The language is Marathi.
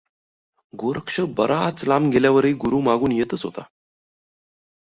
गोरक्ष बराच लांब गेल्यावरही गुरू मागून येतच होता.